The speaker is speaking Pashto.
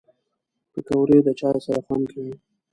پکورې د چای سره خوند کوي